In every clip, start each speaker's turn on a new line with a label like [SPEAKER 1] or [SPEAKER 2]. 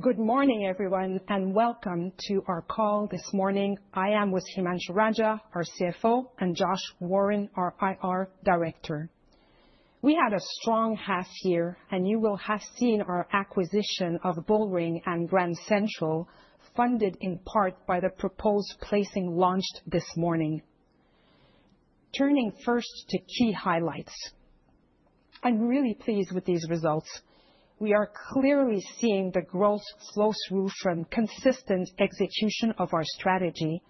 [SPEAKER 1] Good morning everyone and welcome to our call this morning. I am with Himanshu Raja, our CFO, and Josh Warren, our IR Director. We had a strong half year and you will have seen our acquisition of Bullring & Grand Central funded in part by the proposed placing launched this morning. Turning first to key highlights, I'm really pleased with these results. We are clearly seeing the growth flow through from consistent execution of our strategy,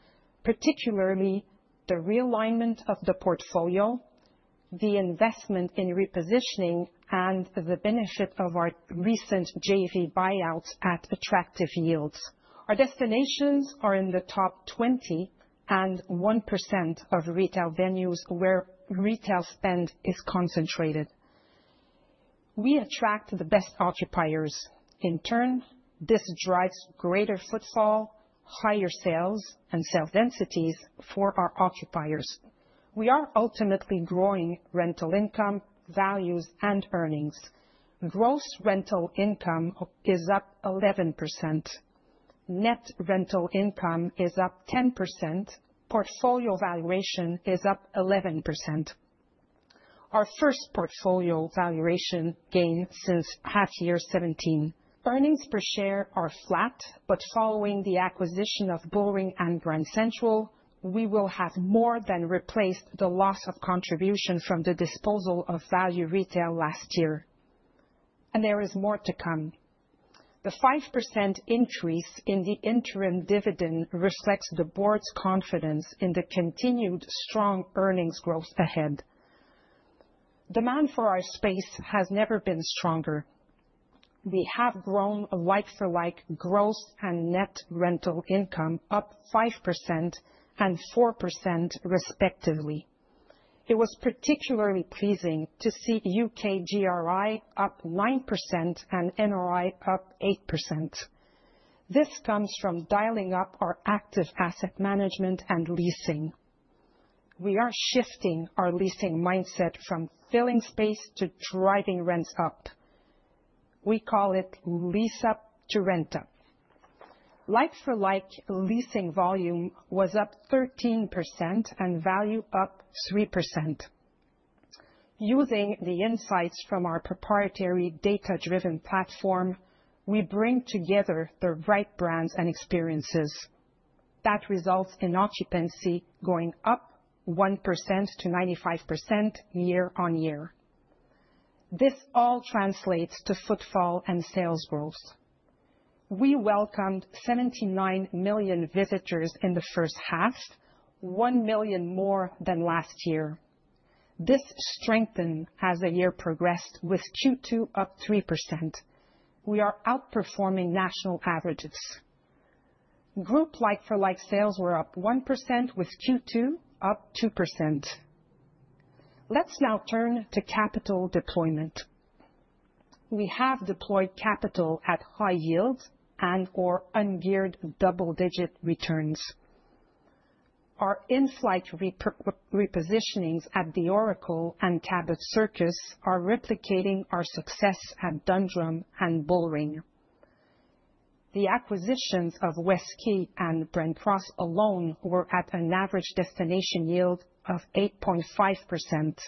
[SPEAKER 1] particularly the realignment of the portfolio, the investment in repositioning, and the benefit of our recent JV buyouts at attractive yields. Our destinations are in the top 20 and 1% of retail venues where retail spend is concentrated. We attract the best occupiers. In turn, this drives greater footfall, higher sales, and sales densities for our occupiers. We are ultimately growing rental income, values, and earnings. Gross rental income is up 11%. Net rental income is up 10%. Portfolio valuation is up 11%, our first portfolio valuation gain since half year 2017. Earnings per share are flat. Following the acquisition of Bullring & Grand Central, we will have more than replaced the loss of contribution from the disposal of Value Retail last year. There is more to come. The 5% increase in the interim dividend reflects the Board's confidence in the continued strong earnings growth ahead. Demand for our space has never been stronger. We have grown like-for-like gross and net rental income up 5% and 4% respectively. It was particularly pleasing to see U.K. GRI up 9% and NRI up 8%. This comes from dialing up our active asset management and leasing. We are shifting our leasing mindset from filling space to driving rents up. We call it lease up to rent up. Like-for-like leasing volume was up 13% and value up 3%. Using the insights from our proprietary data-driven platform, we bring together the right brands and experiences that results in occupancy going up 1%-95% year-on-year. This all translates to footfall and sales growth. We welcomed 79 million visitors in the first half, 1 million more than last year. This strengthened as the year progressed, with Q2 up 3%. We are outperforming national averages. Group like-for-like sales were up 1% with Q2 up 2%. Let's now turn to capital deployment. We have deployed capital at high yield and or ungeared double-digit returns. Our in-flight repositionings at The Oracle and Cabot Circus are replicating our success at Dundrum and Bullring. The acquisitions of West Key and Brent Cross alone were at an average destination yield of 8.5%.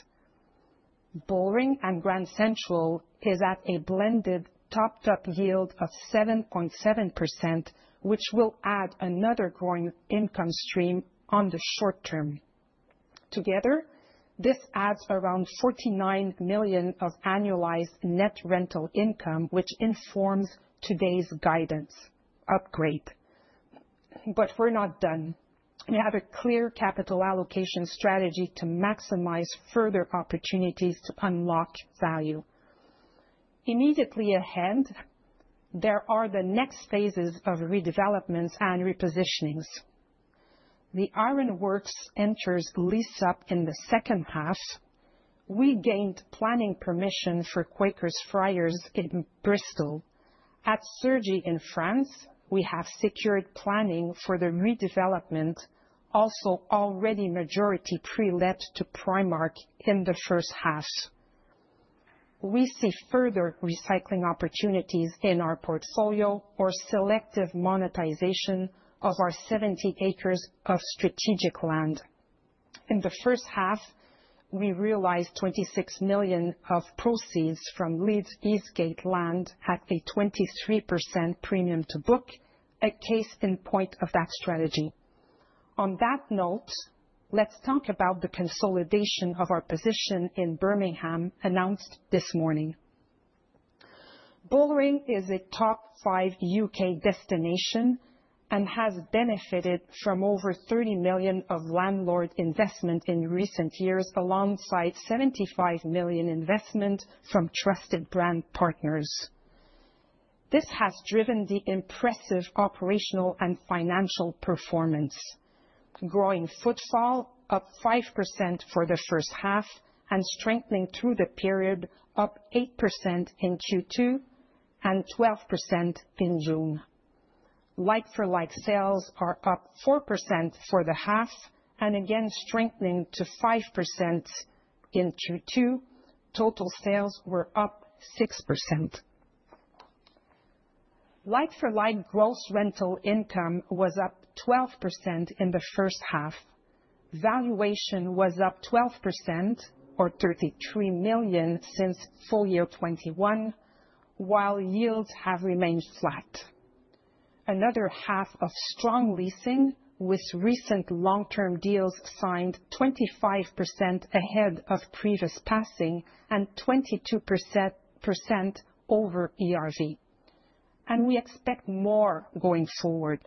[SPEAKER 1] Bullring & Grand Central is at a blended top yield of 7.7% which will add another growing income stream in the short term. Together this adds around 49 million of annualized net rental income which informs today's guidance upgrade. We're not done. We have a clear capital allocation strategy to maximize further opportunities to unlock value. Immediately ahead there are the next phases of redevelopments and repositionings. The Ironworks enters lease up in the second half. We gained planning permission for Quakers Friars in Bristol. At Sergi in France we have secured planning for the redevelopment, also already majority pre-let to Primark in the first half. We see further recycling opportunities in our portfolio or selective monetization of our 70 acres of strategic land. In the first half we realized 26 million of proceeds from Leeds Eastgate land at a 23% premium to book, a case in point of that strategy. On that note, let's talk about the consolidation of our position in Birmingham announced this morning. Bullring is a top five U.K. destination and has benefited from over 30 million of landlord investment in recent years alongside 75 million investment from trusted brand partners. This has driven the impressive operational and financial performance, growing footfall up 5% for the first half and strengthening through the period, up 8% in Q2 and 12% in June. Like-for-like sales are up 4% for the half and again strengthening to 5% in Q2. Total sales were up 6%. Like-for-like gross rental income was up 12% in the first half. Valuation was up 12% or 33 million since full year 2021 while yields have remained flat. Another half of strong leasing with recent long-term deals signed 25% ahead of previous passing and 22% over ERV and we expect more going forward.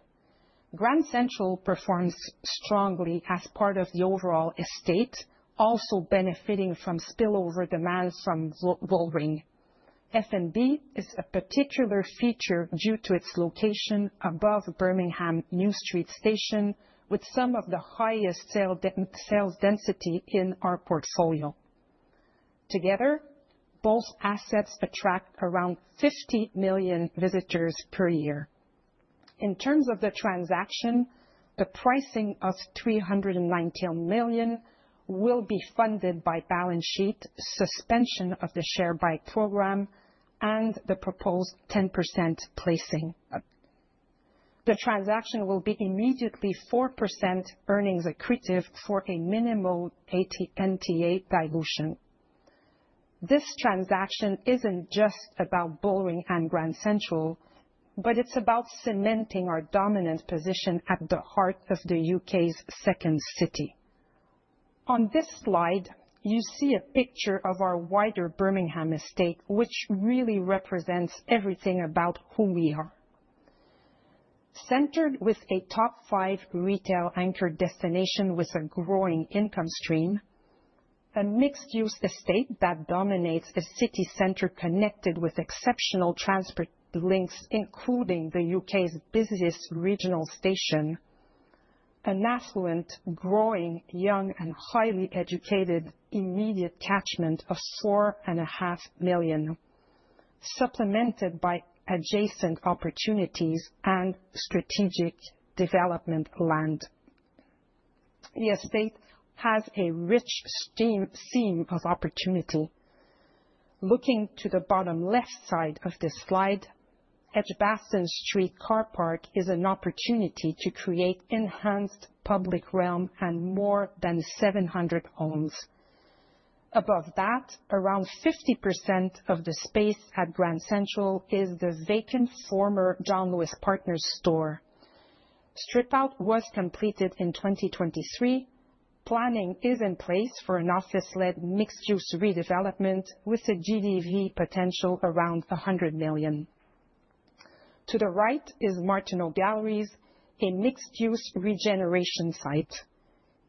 [SPEAKER 1] Grand Central performs strongly as part of the overall estate, also benefiting from spillover demand from Bullring. F&B is a particular feature due to its location above Birmingham New Street Station with some of the highest sales density in our portfolio. Together both assets attract around 50 million visitors per year. In terms of the transaction, the pricing of 319 million will be funded by balance sheet, suspension of the share buyback program, and the proposed 10% placing. The transaction will be immediately 4% earnings accretive for a minimal NTA dilution. This transaction isn't just about Bullring & Grand Central, but it's about cementing our dominant position at the heart of the U.K.'s second city. On this slide, you see a picture of our wider Birmingham estate, which really represents everything about who we are, centered with a top five retail-anchored destination with a growing income stream. A mixed-use estate that dominates a city center, connected with exceptional transport links, including the U.K.'s busiest regional station. An affluent, growing, young, and highly educated immediate catchment of 4.5 million, supplemented by adjacent opportunities and strategic development land. The estate has a rich seam of opportunity. Looking to the bottom left side of this slide, Edgbaston Street car park is an opportunity to create enhanced public realm and more than 700 homes. Above that, around 50% of the space at Grand Central is the vacant former John Lewis Partners store. Stripout was completed in 2023. Planning is in place for an office-led mixed-use redevelopment with a GDV potential around 100 million. To the right is Martineau Galleries, a mixed-use regeneration site.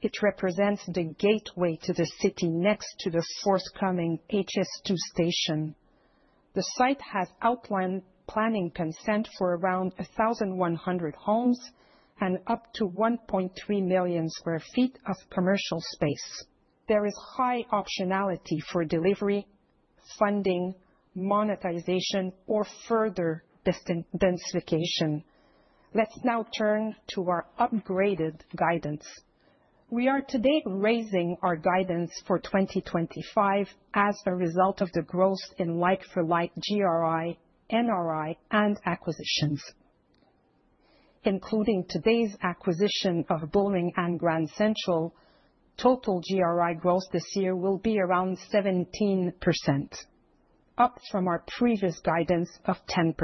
[SPEAKER 1] It represents the gateway to the city next to the forthcoming HS2 station. The site has outline planning consent for around 1,100 homes and up to 1.3 million sq ft of commercial space. There is high optionality for delivery, funding, monetization, or further densification. Let's now turn to our upgraded guidance. We are today raising our guidance for 2025 as a result of the growth in like-for-like GRI, NRI, and acquisitions, including today's acquisition of Bullring & Grand Central. Total GRI growth this year will be around 17%, up from our previous guidance of 10%.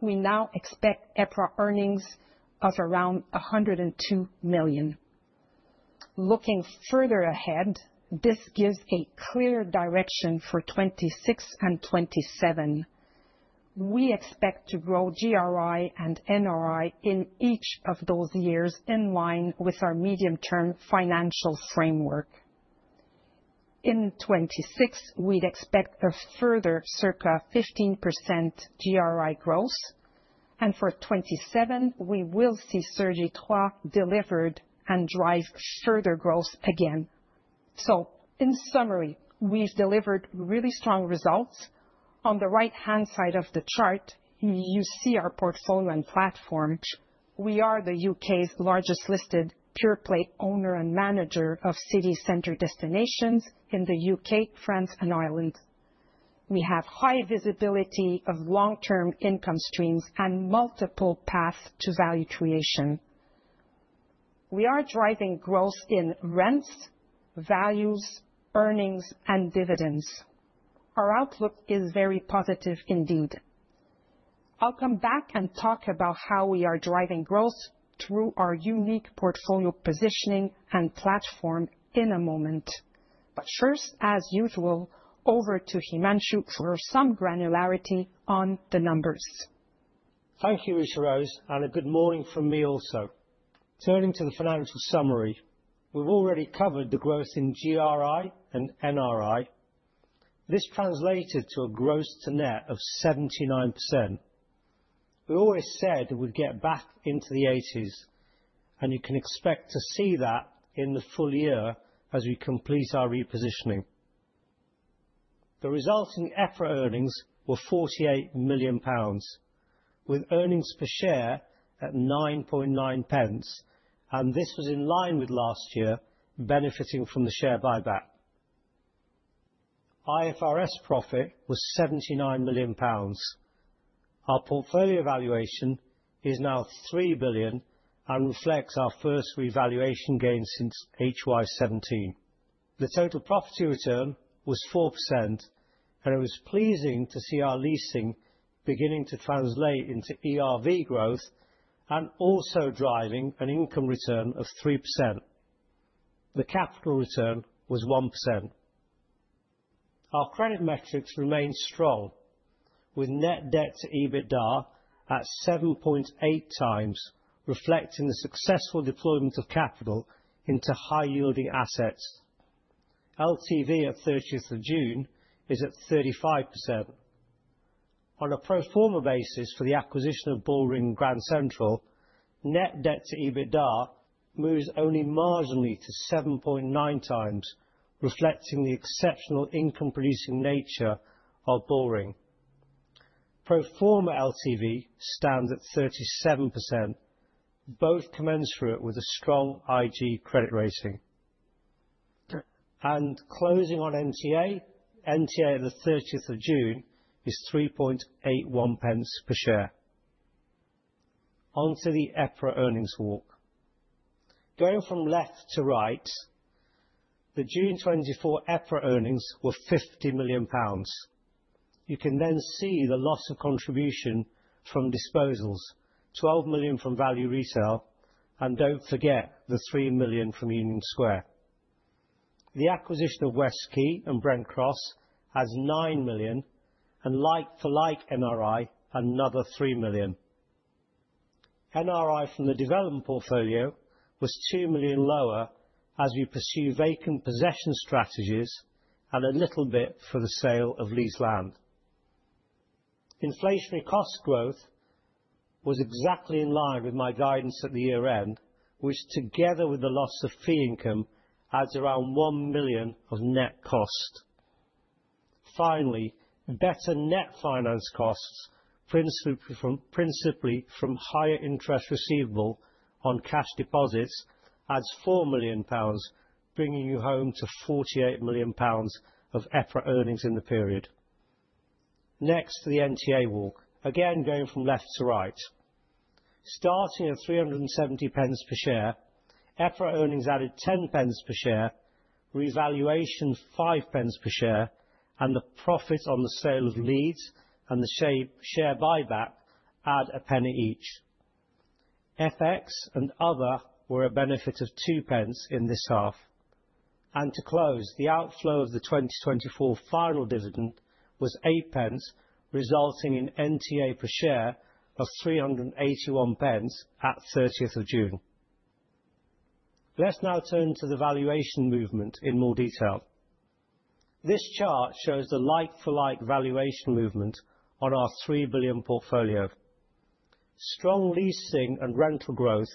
[SPEAKER 1] We now expect EPRA earnings of around 102 million. Looking further ahead, this gives a clear direction for 2026 and 2027. We expect to grow GRI and NRI in each of those years in line with our medium-term financial framework. In 2026, we'd expect a further circa 15% GRI growth, and for 2027, we will see Surge Etois delivered and drive further growth again. In summary, we've delivered really strong results. On the right-hand side of the chart, you see our portfolio and platform. We are the U.K.'s largest listed pure-play owner and manager of city center destinations in the U.K., France, and Ireland. We have high visibility of long-term income streams and multiple paths to value creation. We are driving growth in rents, values, earnings, and dividends. Our outlook is very positive indeed. I'll come back and talk about how we are driving growth through our unique portfolio positioning and platform in a moment. First, as usual, over to Himanshu for some granularity on the numbers.
[SPEAKER 2] Thank you, Isha Rose, and a good morning from me. Also, turning to the financial summary, we've already covered the growth in GRI and NRI. This translated to a gross to net of 79%. We always said we'd get back into the 80s, and you can expect to see that in the full year as we complete our repositioning. The resulting EPRA earnings were 48 million pounds, with earnings per share at 9.9p, and this was in line with last year. Benefiting from the share buyback, IFRS profit was 79 million pounds. Our portfolio valuation is now 3 billion and reflects our first revaluation gain since HY17. The total profit return was 4%, and it was pleasing to see our leasing beginning to translate into ERV growth and also driving an income return of 3%. The capital return was 1%. Our credit metrics remain strong, with net debt to EBITDA at 7.8x, reflecting the successful deployment of capital into high-yielding assets. LTV at 30th of June is at 35% on a pro forma basis for the acquisition of Bullring & Grand Central. Net debt to EBITDA moves only marginally to 7.9x, reflecting the exceptional income-producing nature of Bullring. Pro forma. LTV stands at 37%, both commensurate with a strong investment-grade credit rating and closing on NTA. NTA on 30 June is 3.81 pence per share. Onto the EPRA earnings walk, going from left to right, the June 24th EPRA earnings were 50 million pounds. You can then see the loss of contribution from disposals, 12 million from value resale, and don't forget the 3 million from Union Square. The acquisition of West Key and Brent Cross has 9 million, and like-for-like NRI another 3 million. NRI from the development portfolio was 2 million lower as we pursue vacant possession strategies and a little bit for the sale of leased land. Inflationary cost growth was exactly in line with my guidance at the year end, which together with the loss of fee income adds around 1 million of net cost. Finally, better net finance costs, principally from higher interest receivable on cash deposits, adds 4 million pounds, bringing you home to 48 million pounds of EPRA earnings in the period. Next, the NTA walk, again going from left to right, starting at 370 pence per share. EPRA earnings added 10 pence per share, revaluation 5 pence per share, and the profit on the sale of Leeds and the share buyback add a penny each. FX and other were a benefit of 2 pence in this half, and to close, the outflow of the 2024 final dividend was 8 pence, resulting in NTA per share of 381 pence at 30th of June. Let's now turn to the valuation movement in more detail. This chart shows the like-for-like valuation movement on our 3 billion portfolio. Strong leasing and rental growth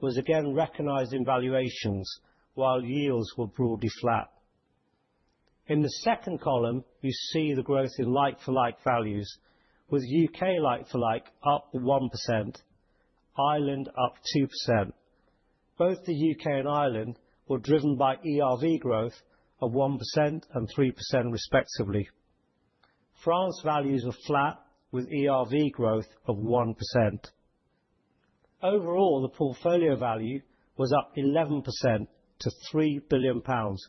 [SPEAKER 2] was again recognized in valuations, while yields were broadly flat. In the second column, you see the growth in like-for-like values, with U.K. like-for-like up 1%, Ireland up 2%. Both the U.K. and Ireland were driven by ERV growth of 1% and 3%, respectively. France values are flat, with ERV growth of 1%. Overall, the portfolio value was up 11% to 3 billion pounds,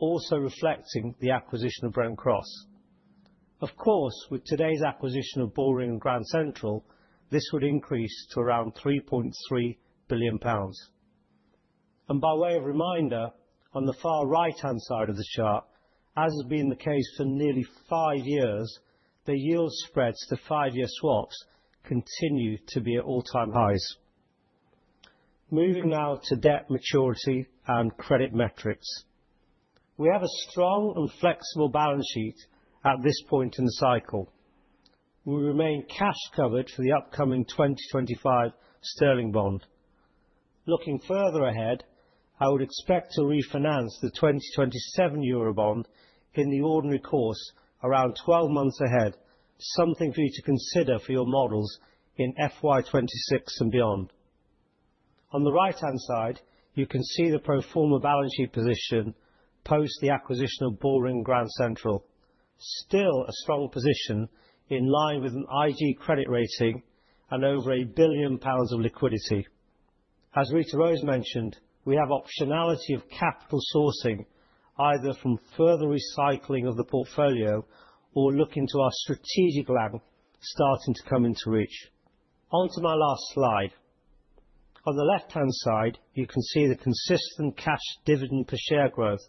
[SPEAKER 2] also reflecting the acquisition of Brent Cross. Of course, with today's acquisition of Bullring & Grand Central, this would increase to around 3.3 billion pounds. By way of reminder, on the far right-hand side of the chart, as has been the case for nearly five years, the yield spreads to five-year swaps continue to be at all-time highs. Moving now to debt maturity and credit metrics, we have a strong and flexible balance sheet at this point in the cycle. We remain cash covered for the upcoming 2025 sterling bond. Looking further ahead, I would expect to refinance the 2027 Eurobond in the ordinary course, around 12 months ahead. This is something for you to consider for your models in FY 2026 and beyond. On the right-hand side, you can see the pro forma balance sheet position post the acquisition of Bullring & Grand Central, still a strong position in line with an investment-grade credit rating and over 1 billion pounds of liquidity. As Rita-Rose Gagné mentioned, we have optionality of capital sourcing, either from further recycling of the portfolio or looking to our strategic level starting to come into reach. On to my last slide. On the left-hand side, you can see the consistent cash dividend per share growth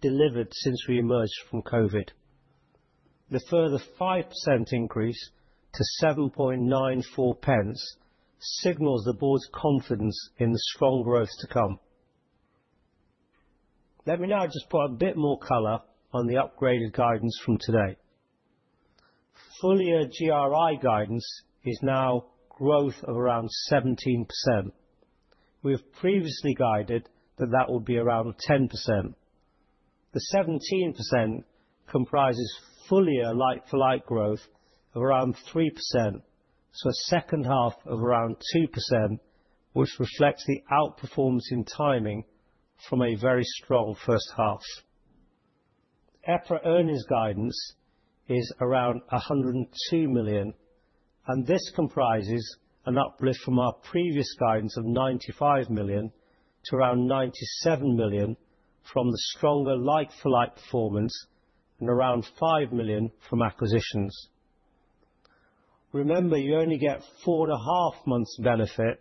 [SPEAKER 2] delivered since we emerged from COVID. The further 5% increase to 7.94 pence signals the board's confidence in the strong growth to come. Let me now just put a bit more color on the upgraded guidance from today. Full-year GRI guidance is now growth of around 17%. We have previously guided that that will be around 10%. The 17% comprises fuller like-for-like growth of around 3%, so a second half of around 2%, which reflects the outperformance in timing from a very strong first half. EPRA earnings guidance is around 102 million, and this comprises an uplift from our previous guidance of 95 million to around 97 million from the stronger like-for-like performance and around 5 million from acquisitions. Remember you only get 4.5 months benefit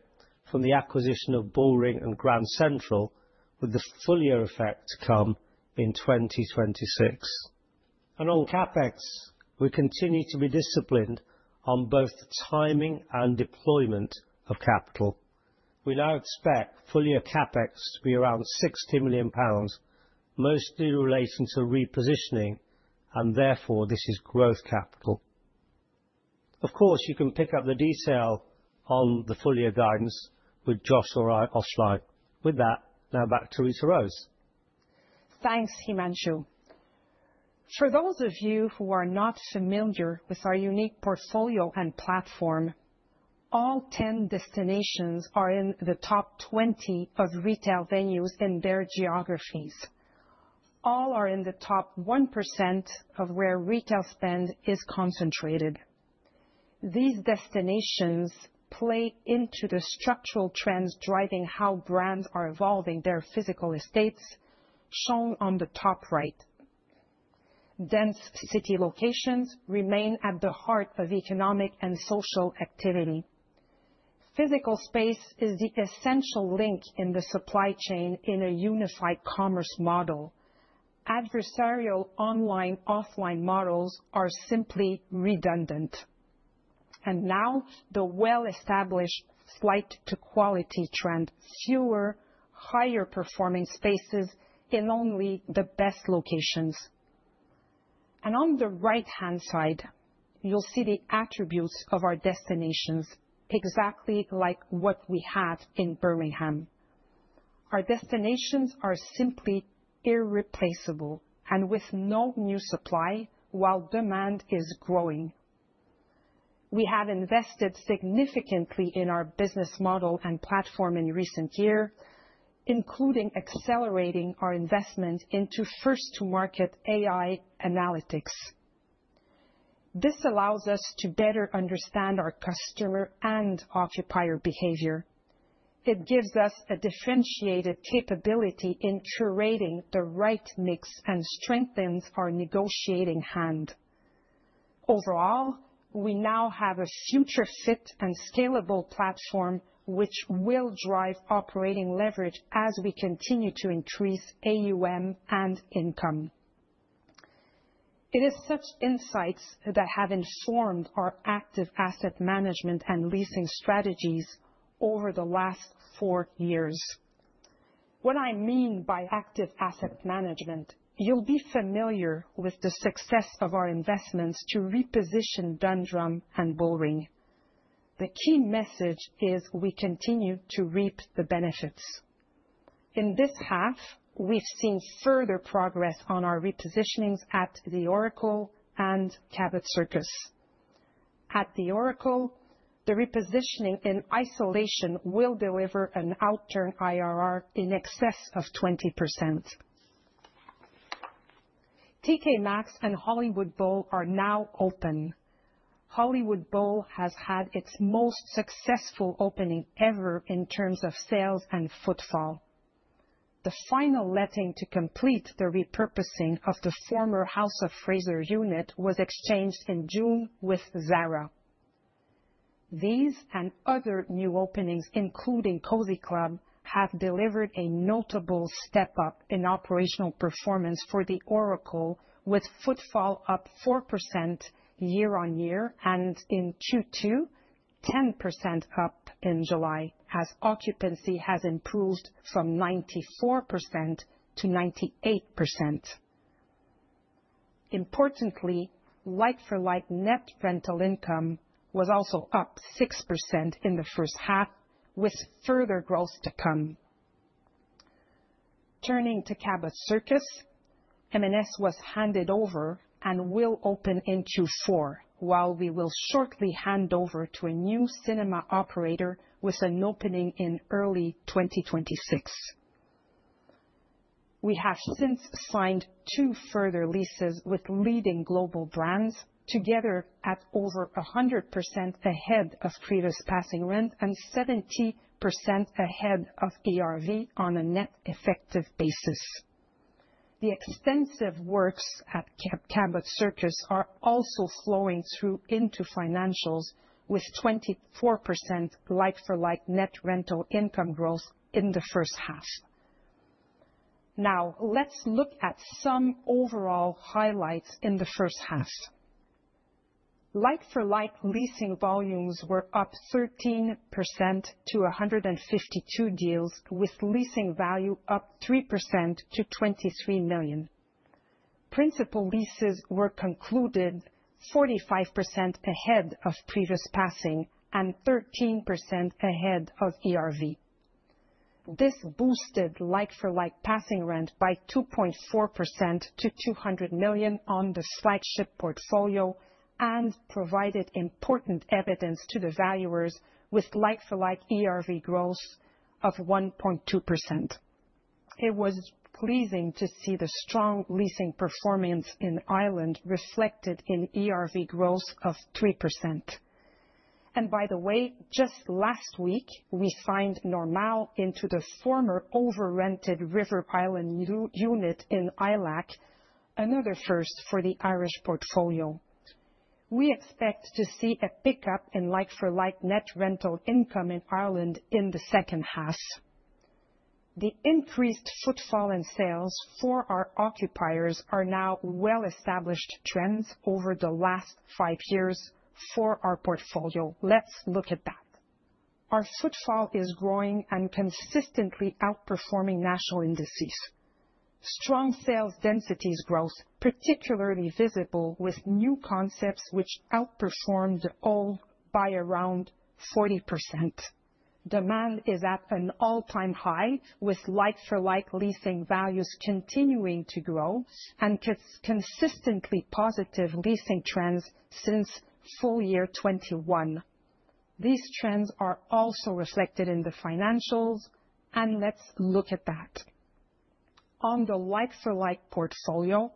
[SPEAKER 2] from the acquisition of Bullring & Grand Central, with the full year effect to come in 2026. On CapEx, we continue to be disciplined on both timing and deployment of capital. We now expect full year CapEx to be around 60 million pounds, mostly relating to repositioning, and therefore this is growth capital. Of course, you can pick up the detail on the full year guidance with Josh or offline with that. Now back to Rita-Rose.
[SPEAKER 1] Thanks, Himanshu. For those of you who are not familiar with our unique portfolio and platform, all 10 destinations are in the top 20 of retail venues in their geographies. All are in the top 1% of where retail spend is concentrated. These destinations play into the structural trends driving how brands are evolving their physical estates shown on the top right. Dense city locations remain at the heart of economic and social activity. Physical space is the essential link in the supply chain in a unified commerce model. Adversarial online offline models are simply redundant and now the well established flight to quality trend. Fewer higher performing spaces in only the best locations. On the right hand side you'll see the attributes of our destinations exactly like what we had in Birmingham. Our destinations are simply irreplaceable and with no new supply while demand is growing. We have invested significantly in our business model and platform in recent years, including accelerating our investment into first to market AI analytics. This allows us to better understand our customer and occupier behavior. It gives us a differentiated capability in curating the right mix and strengthens our negotiating hand. Overall, we now have a future fit and scalable platform which will drive operating leverage as we continue to increase AUM and income. It is such insights that have informed our active asset management and leasing strategies over the last four years. What I mean by active asset management, you'll be familiar with the success of our investments to reposition Dundrum and Bullring. The key message is we continue to reap the benefits in this half. We've seen further progress on our repositionings at The Oracle and Cabot Circus. At The Oracle, the repositioning in isolation will deliver an outturn IRR in excess of 20%. TK Maxx and Hollywood Bowl are now open. Hollywood Bowl has had its most successful opening ever in terms of sales and footfall. The final letting to complete the repurposing of the former House of Fraser unit was exchanged in June with Zara. These and other new openings, including Cozy Club, have delivered a notable step up in operational performance for The Oracle with footfall up 4% year-on-year and in Q2 10% up in July as occupancy has improved from 94%-98%. Importantly, like for like net rental income was also up 6% in the first half with further growth to come. Turning to Cabot Circus, MNS was handed over and will open in Q4 while we will shortly hand over to a new cinema operator with an opening in early 2026. We have since signed two further leases with leading global brands together at over 100% ahead of previous passing rent and 70% ahead of ERV on a net effective basis. The extensive works at Cabot Circus are also flowing through into financials with 24% like-for-like net rental income growth in the first half. Now let's look at some overall highlights. In the first half, like-for-like leasing volumes were up 13% to 152 deals with leasing value up 3% to 23 million. Principal leases were concluded 45% ahead of previous passing and 13% ahead of ERV. This boosted like-for-like passing rent by 2.4% to 200 million on the flagship portfolio and provided important evidence to the valuers with like-for-like ERV growth of 1.2%. It was pleasing to see the strong leasing performance in Ireland reflected in ERV growth of 3%. And by the way, just last week we signed Normal into the former over-rented River Pylon unit in Ilac, another first for the Irish portfolio. We expect to see a pickup in like-for-like net rental income in Ireland in the second half. The increased footfall and sales for our occupiers are now well-established trends over the last five years for our portfolio. Let's look at that. Our footfall is growing and consistently outperforming national indices, strong sales densities, growth particularly visible with new concepts which outperformed all by around 40%. Demand is at an all-time high with like-for-like leasing values continuing to grow and consistently positive leasing trends since full year 2021. These trends are also reflected in the financials and let's look at that. On the like-for-like portfolio,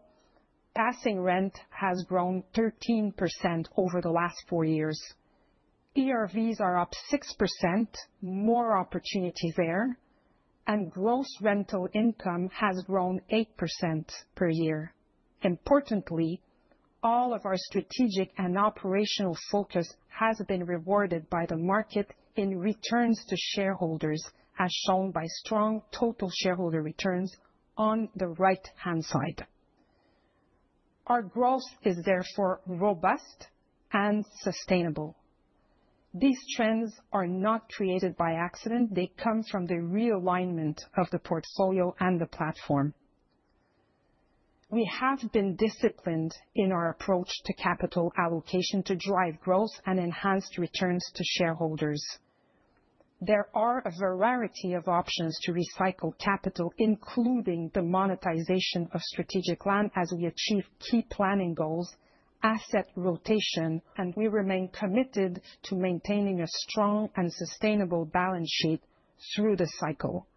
[SPEAKER 1] passing rent has grown 13% over the last four years, ERVs are up 6%, more opportunity there, and gross rental income has grown 8% per year. Importantly, all of our strategic and operational focus has been rewarded by the market in returns to shareholders as shown by strong total shareholder returns on the right-hand side. Our growth is therefore robust and sustainable. These trends are not created by accident, they come from the realignment of the portfolio and the platform. We have been disciplined in our approach to capital allocation to drive growth and enhanced returns to shareholders. There are a variety of options to recycle capital, including the monetization of strategic land as we achieve key planning goals, asset rotation, and we remain committed to maintaining a strong and sustainable balance sheet through the cycle.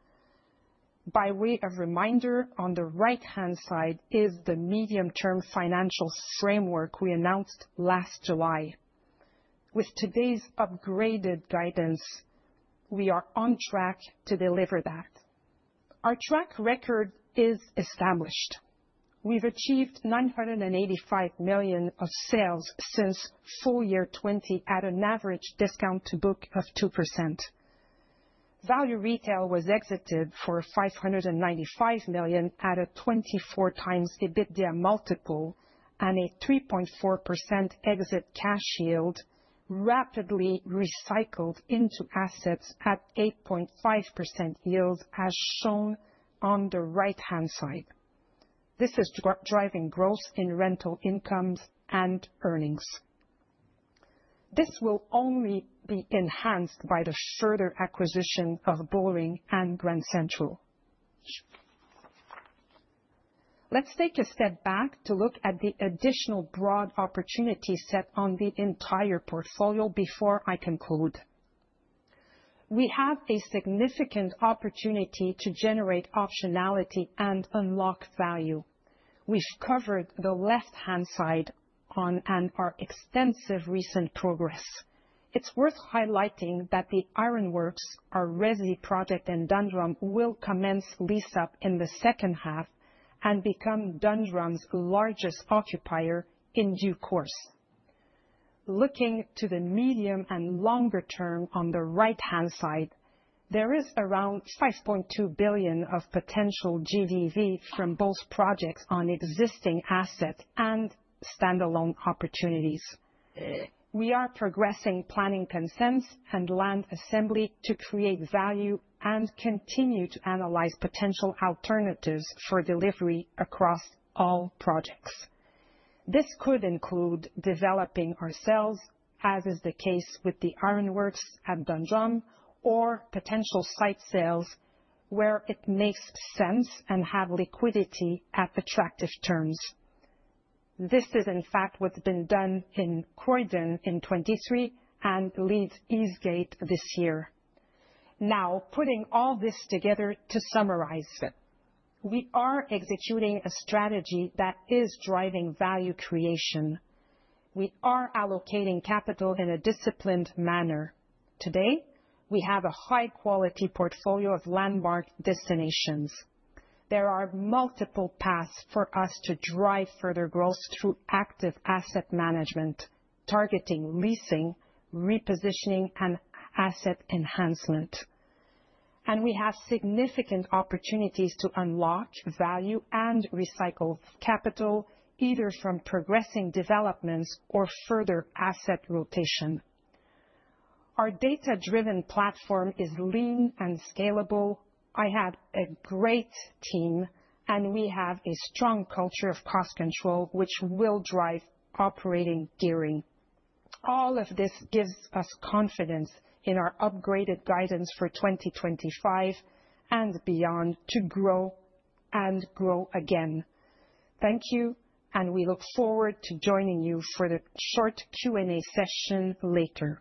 [SPEAKER 1] By way of reminder, on the right-hand side is the medium-term financial framework we announced last July. With today's upgraded guidance, we are on track to deliver that. Our track record is established. We've achieved 985 million of sales since full year 2020 at an average discount to book of 2% value. Retail was exited for 595 million at a 24x EBITDA multiple and a 3.4% exit cash yield, rapidly recycled into assets at 8.5% yield as shown on the right-hand side. This is driving growth in rental incomes and earnings. This will only be enhanced by the further acquisition of Bullring & Grand Central. Let's take a step back to look at the additional broad opportunities set on the entire portfolio before I conclude. We have a significant opportunity to generate optionality and unlock value. We've covered the left-hand side on our extensive recent progress. It's worth highlighting that the Ironworks, our RESI project in Dundrum, will commence lease up in the second half and become Dundrum's largest occupier in due course. Looking to the medium and longer term on the right-hand side, there is around 5.2 billion of potential GDV from both projects on existing assets and standalone opportunities. We are progressing planning consents and land assembly to create value and continue to analyze potential alternatives for delivery across all projects. This could include developing ourselves as is the case with the Ironworks at Dundrum or potential site sales where it makes sense and have liquidity at attractive terms. This is in fact what's been done in Croydon in 2023 and Leeds Eastgate this year. Now, putting all this together to summarize it, we are executing a strategy that is driving value creation. We are allocating capital in a disciplined manner. Today we have a high-quality portfolio of landmark destinations. There are multiple paths for us to drive further growth through active asset management, targeting, leasing, repositioning, and asset enhancement. We have significant opportunities to unlock value and recycle capital either from progressing developments or further asset rotation. Our data-driven platform is lean and scalable. I had a great team, and we have a strong culture of cost control, which will drive operating gearing. All of this gives us confidence in our upgraded guidance for 2025 and beyond to grow and grow again. Thank you, and we look forward to joining you for the short Q&A session later.